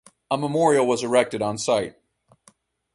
A memorial was erected on site.